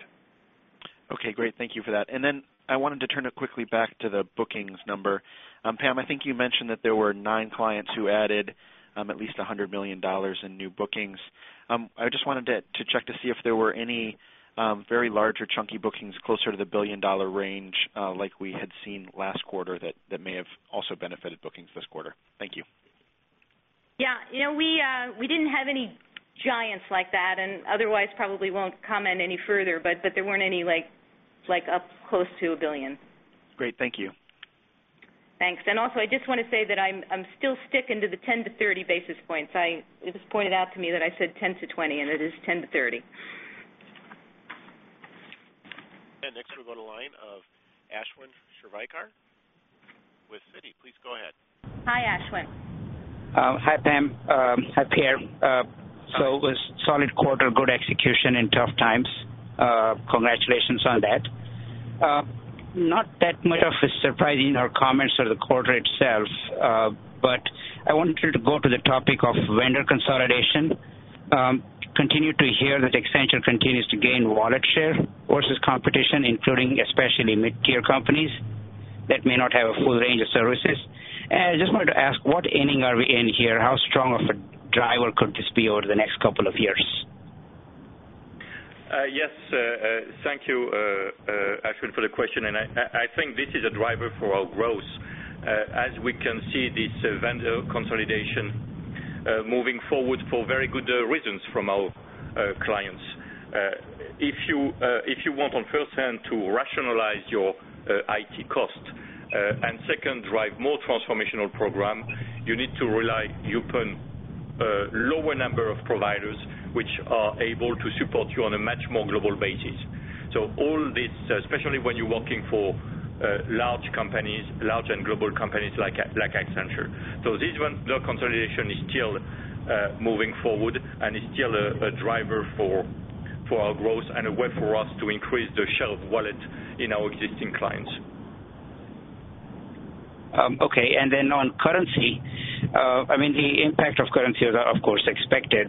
Speaker 12: OK, great. Thank you for that. I wanted to turn it quickly back to the bookings number. Pam, I think you mentioned that there were nine clients who added at least $100 million in new bookings. I just wanted to check to see if there were any very large or chunky bookings closer to the billion dollar range, like we had seen last quarter, that may have also benefited bookings this quarter. Thank you.
Speaker 4: Yeah, you know, we didn't have any giants like that. Otherwise, probably won't comment any further, but there weren't any up close to a billion.
Speaker 12: Great, thank you.
Speaker 4: Thanks. I just want to say that I'm still sticking to the 10-30 basis points. It was pointed out to me that I said 10-20 basis points, and it is 10-30 basis points.
Speaker 1: Next, we'll go to the line of Ashwin Shirvaikar with Citi. Please go ahead.
Speaker 4: Hi, Ashwin.
Speaker 13: Hi, Pam. Hi, Pierre. It was a solid quarter, good execution in tough times. Congratulations on that. Not that much of a surprise in our comments or the quarter itself. I wanted to go to the topic of vendor consolidation. I continue to hear that Accenture continues to gain wallet share versus competition, including especially mid-tier companies that may not have a full range of services. I just wanted to ask, what inning are we in here? How strong of a driver could this be over the next couple of years?
Speaker 3: Yes, thank you, Ashwin, for the question. I think this is a driver for our growth. As we can see, this vendor consolidation is moving forward for very good reasons from our clients. If you want on the first hand to rationalize your IT cost and second, drive more transformational programs, you need to rely upon a lower number of providers which are able to support you on a much more global basis. All this, especially when you're working for large companies, large and global companies like Accenture. This vendor consolidation is still moving forward and is still a driver for our growth and a way for us to increase the share of wallets in our existing clients.
Speaker 13: OK. On currency, the impact of currency is, of course, expected.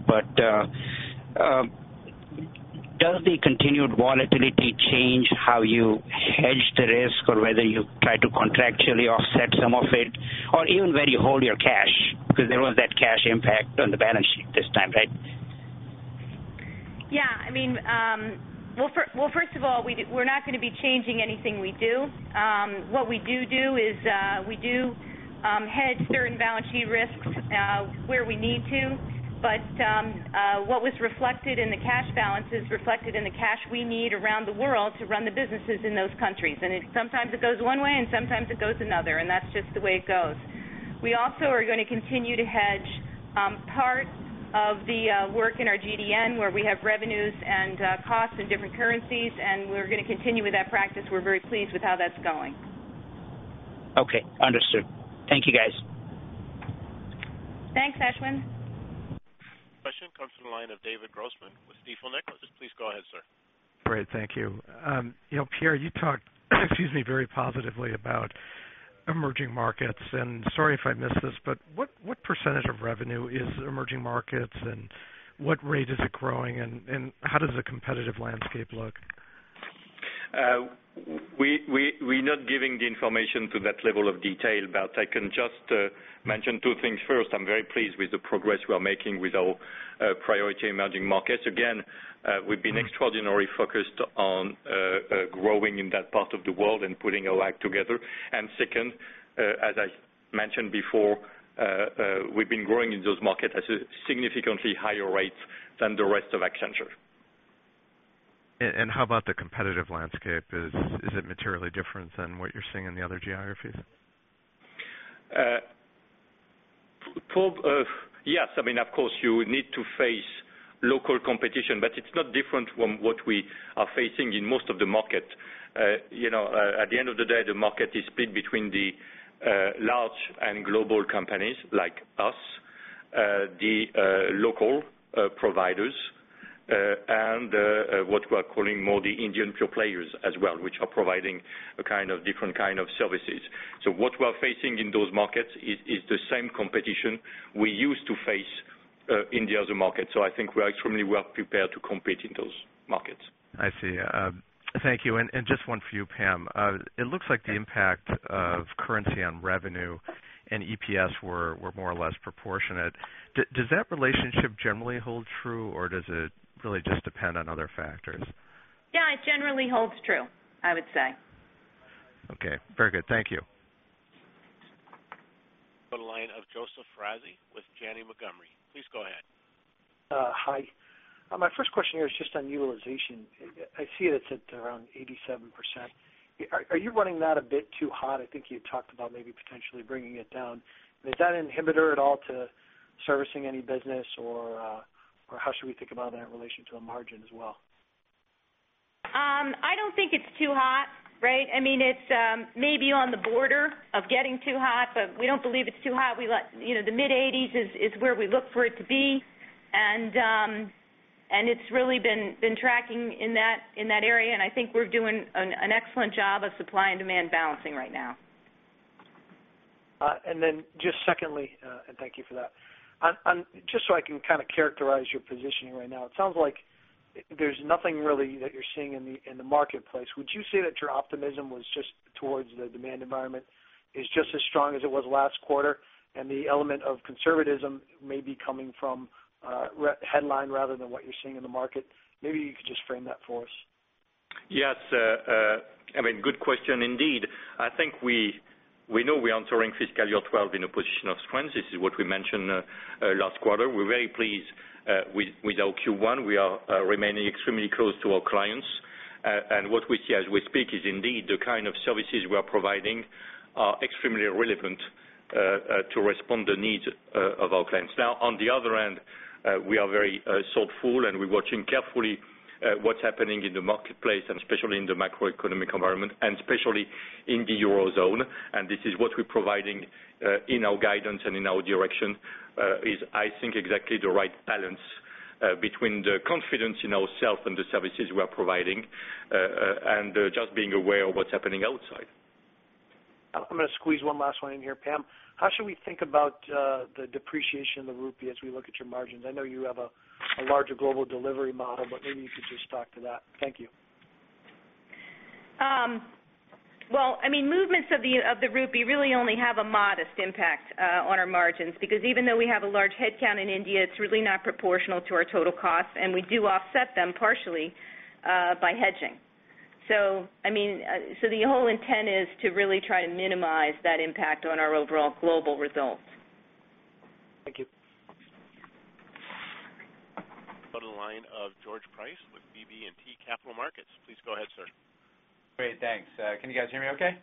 Speaker 13: Does the continued volatility change how you hedge the risk or whether you try to contractually offset some of it, or even where you hold your cash? There was that cash impact on the balance sheet this time, right?
Speaker 4: Yeah, I mean, first of all, we're not going to be changing anything we do. What we do is we do hedge certain balance sheet risks where we need to. What was reflected in the cash balance is reflected in the cash we need around the world to run the businesses in those countries. Sometimes it goes one way, and sometimes it goes another. That's just the way it goes. We also are going to continue to hedge part of the work in our global delivery network, where we have revenues and costs in different currencies. We're going to continue with that practice. We're very pleased with how that's going.
Speaker 13: OK, understood. Thank you, guys.
Speaker 4: Thanks, Ashwin.
Speaker 1: Question comes from the line of David Grossman with Stifel Nicolaus. Please go ahead, sir.
Speaker 14: Great, thank you. Pierre, you talked very positively about emerging markets. Sorry if I missed this, but what percentage of revenue is emerging markets, and what rate is it growing, and how does the competitive landscape look?
Speaker 3: We're not giving the information to that level of detail. I can just mention two things. First, I'm very pleased with the progress we are making with our priority emerging markets. We've been extraordinarily focused on growing in that part of the world and putting our act together. Second, as I mentioned before, we've been growing in those markets at significantly higher rates than the rest of Accenture.
Speaker 14: How about the competitive landscape? Is it materially different than what you're seeing in the other geographies?
Speaker 3: Yes, I mean, of course, you need to face local competition. It's not different from what we are facing in most of the markets. You know, at the end of the day, the market is split between the large and global companies like us, the local providers, and what we are calling more the Indian pure players as well, which are providing a kind of different kind of services. What we are facing in those markets is the same competition we used to face in the other markets. I think we're extremely well prepared to compete in those markets.
Speaker 14: I see. Thank you. Just one for you, Pam. It looks like the impact of currency on revenue and EPS were more or less proportionate. Does that relationship generally hold true, or does it really just depend on other factors?
Speaker 4: Yeah, it generally holds true, I would say.
Speaker 14: OK, very good. Thank you.
Speaker 1: The line of Joseph Foresi with Janney Montgomery. Please go ahead.
Speaker 15: Hi. My first question here is just on utilization. I see that it's at around 87%. Are you running that a bit too hot? I think you talked about maybe potentially bringing it down. Is that an inhibitor at all to servicing any business, or how should we think about that in relation to a margin as well?
Speaker 4: I don't think it's too hot, right? I mean, it's maybe on the border of getting too hot. We don't believe it's too hot. You know, the mid-80% is where we look for it to be, and it's really been tracking in that area. I think we're doing an excellent job of supply and demand balancing right now.
Speaker 15: Thank you for that. Just so I can kind of characterize your positioning right now, it sounds like there's nothing really that you're seeing in the marketplace. Would you say that your optimism towards the demand environment is just as strong as it was last quarter? The element of conservatism may be coming from a headline rather than what you're seeing in the market. Maybe you could just frame that for us.
Speaker 3: Yes, I mean, good question indeed. I think we know we are entering fiscal year 2012 in a position of strength. This is what we mentioned last quarter. We're very pleased with our Q1. We are remaining extremely close to our clients. What we see as we speak is indeed the kind of services we are providing are extremely relevant to respond to the needs of our clients. On the other hand, we are very thoughtful, and we're watching carefully what's happening in the marketplace, especially in the macroeconomic environment, and especially in the Eurozone. This is what we're providing in our guidance and in our direction. I think it is exactly the right balance between the confidence in ourselves and the services we are providing and just being aware of what's happening outside.
Speaker 15: I'm going to squeeze one last one in here, Pam. How should we think about the depreciation of the rupee as we look at your margins? I know you have a larger global delivery model, but maybe you could just talk to that. Thank you.
Speaker 4: Movements of the rupee really only have a modest impact on our margins, because even though we have a large headcount in India, it's really not proportional to our total costs. We do offset them partially by hedging. The whole intent is to really try to minimize that impact on our overall global results.
Speaker 15: Thank you.
Speaker 1: Another line of George Price with BB&T Capital Markets. Please go ahead, sir.
Speaker 16: Great, thanks. Can you guys hear me OK?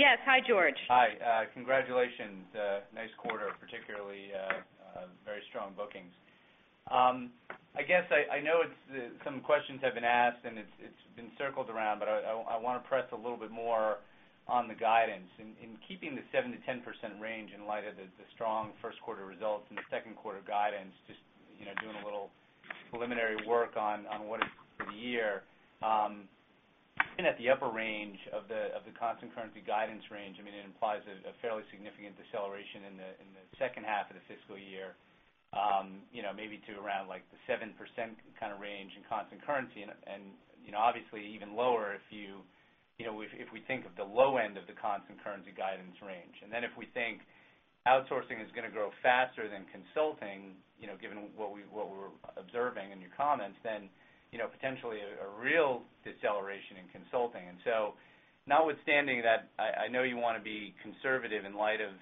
Speaker 4: Yes. Hi, George.
Speaker 16: Hi. Congratulations. Nice quarter, particularly very strong bookings. I guess I know some questions have been asked, and it's been circled around. I want to press a little bit more on the guidance. In keeping the 7%-10% range in light of the strong first quarter results and the second quarter guidance, just doing a little preliminary work on what it's for the year. At the upper range of the constant currency guidance range, it implies a fairly significant deceleration in the second half of the fiscal year, maybe to around the 7% kind of range in constant currency. Obviously, even lower if we think of the low end of the constant currency guidance range. If we think outsourcing is going to grow faster than consulting, given what we were observing in your comments, then potentially a real deceleration in consulting. Notwithstanding that, I know you want to be conservative in light of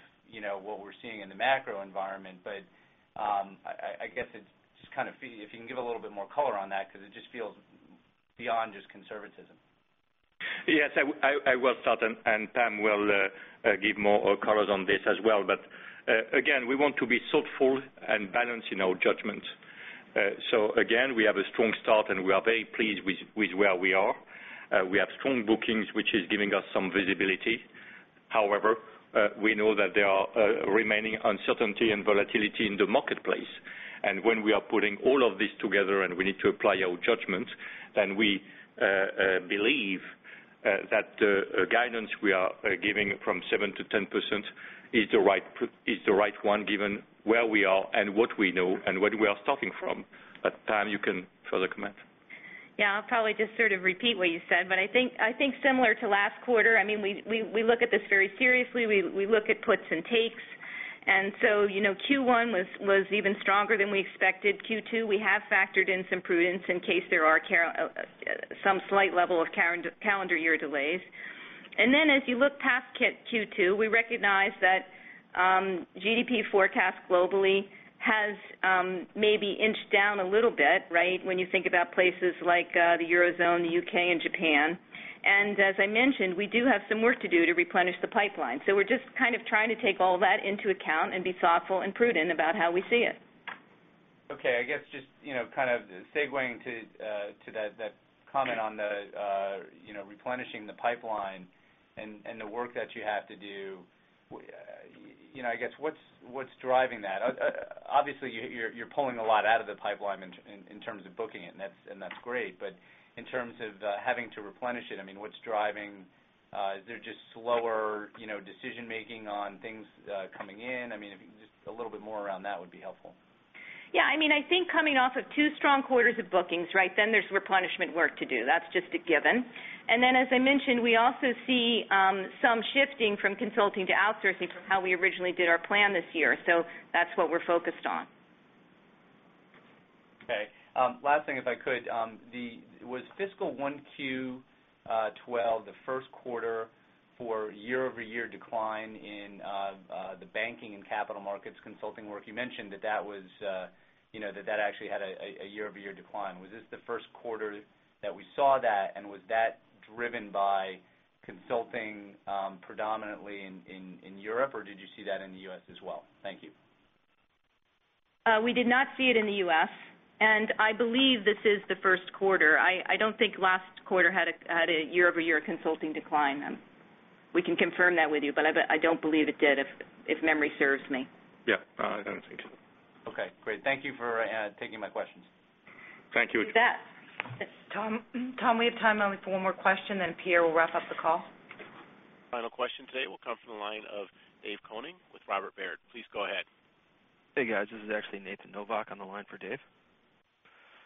Speaker 16: what we're seeing in the macro environment. I guess it's just kind of if you can give a little bit more color on that, because it just feels beyond just conservatism.
Speaker 3: Yes, I will start, and Pam will give more color on this as well. We want to be thoughtful and balanced in our judgment. We have a strong start, and we are very pleased with where we are. We have strong bookings, which is giving us some visibility. However, we know that there are remaining uncertainties and volatility in the marketplace. When we are putting all of this together, we need to apply our judgment, and we believe that the guidance we are giving from 7%-10% is the right one, given where we are and what we know and what we are starting from. Pam, you can further comment.
Speaker 4: I'll probably just sort of repeat what you said. I think similar to last quarter, we look at this very seriously. We look at puts and takes. Q1 was even stronger than we expected. Q2, we have factored in some prudence in case there are some slight level of calendar year delays. As you look past Q2, we recognize that GDP forecast globally has maybe inched down a little bit when you think about places like the Eurozone, the U.K., and Japan. As I mentioned, we do have some work to do to replenish the pipeline. We're just kind of trying to take all that into account and be thoughtful and prudent about how we see it.
Speaker 16: OK, I guess just kind of segueing to that comment on replenishing the pipeline and the work that you have to do, I guess what's driving that? Obviously, you're pulling a lot out of the pipeline in terms of booking it, and that's great. In terms of having to replenish it, I mean, what's driving? Is there just slower decision making on things coming in? I mean, just a little bit more around that would be helpful.
Speaker 4: I think coming off of two strong quarters of bookings, there's replenishment work to do. That's just a given. As I mentioned, we also see some shifting from consulting to outsourcing from how we originally did our plan this year. That's what we're focused on.
Speaker 16: OK. Last thing, if I could, was fiscal 1Q 2012 the first quarter for year-over-year decline in the banking and capital markets consulting work? You mentioned that that actually had a year-over-year decline. Was this the first quarter that we saw that, and was that driven by consulting predominantly in Europe, or did you see that in the U.S. as well? Thank you.
Speaker 4: We did not see it in the U.S. I believe this is the first quarter. I don't think last quarter had a year-over-year consulting decline. We can confirm that with you, but I don't believe it did, if memory serves me.
Speaker 3: Yeah, I don't think so.
Speaker 16: OK, great. Thank you for taking my questions.
Speaker 3: Thank you.
Speaker 2: Tom, we have time for one more question, then Pierre will wrap up the call.
Speaker 1: Final question today will come from the line of Dave Koning with Robert Baird. Please go ahead.
Speaker 17: Hey, guys. This is actually Nathan Novak on the line for Dave.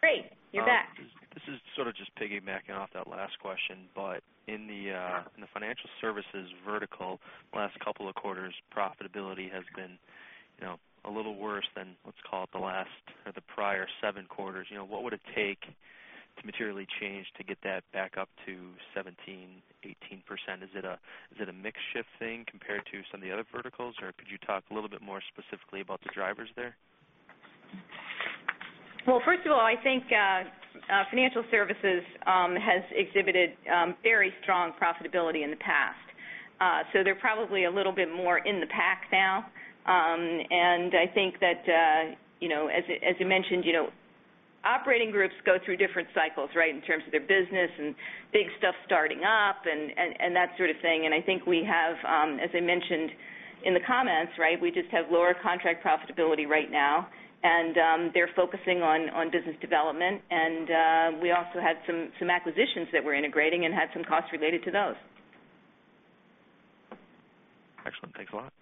Speaker 4: Great, you're back.
Speaker 17: This is sort of just piggybacking off that last question. In the financial services vertical, the last couple of quarters, profitability has been a little worse than, let's call it, the prior seven quarters. What would it take to materially change to get that back up to 17%, 18%? Is it a mix shift thing compared to some of the other verticals? Could you talk a little bit more specifically about the drivers there?
Speaker 4: I think financial services has exhibited very strong profitability in the past. They're probably a little bit more in the pack now. I think that, as I mentioned, operating groups go through different cycles, right, in terms of their business and big stuff starting up and that sort of thing. I think we have, as I mentioned in the comments, we just have lower contract profitability right now. They're focusing on business development. We also had some acquisitions that we're integrating and had some costs related to those.
Speaker 17: Excellent. Thanks a lot.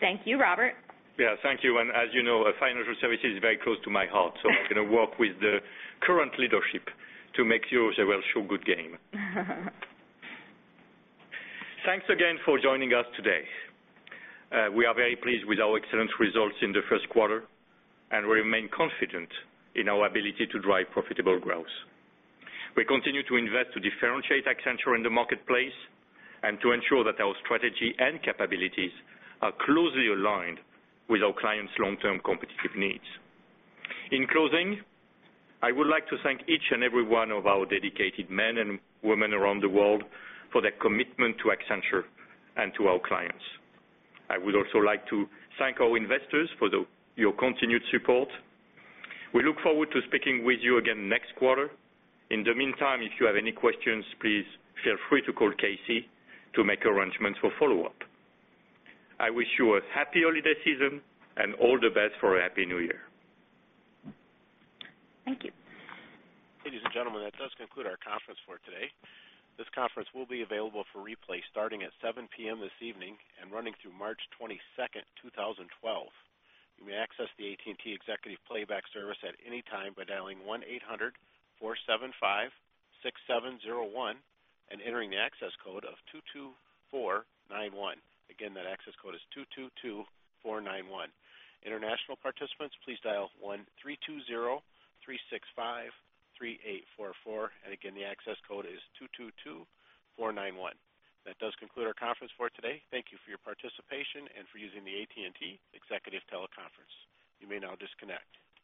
Speaker 4: Thank you, Robert.
Speaker 3: Thank you. As you know, financial services is very close to my heart. I am going to work with the current leadership to make sure they will show good game. Thanks again for joining us today. We are very pleased with our excellent results in the first quarter, and we remain confident in our ability to drive profitable growth. We continue to invest to differentiate Accenture in the marketplace and to ensure that our strategy and capabilities are closely aligned with our clients' long-term competitive needs. In closing, I would like to thank each and every one of our dedicated men and women around the world for their commitment to Accenture and to our clients. I would also like to thank our investors for your continued support. We look forward to speaking with you again next quarter. In the meantime, if you have any questions, please feel free to call Casey to make arrangements for follow-up. I wish you a happy holiday season and all the best for a happy New Year.
Speaker 4: Thank you.
Speaker 1: Ladies and gentlemen, that does conclude our conference for today. This conference will be available for replay starting at 7:00 P.M. this evening and running through March 22nd, 2012. You may access the AT&T Executive Playback Service at any time by dialing 1-800-475-6701 and entering the access code of 222491. International participants, please dial 1-320-365-3844. Again, the access code is 222491. That does conclude our conference for today. Thank you for your participation and for using the AT&T Executive Teleconference. You may now disconnect.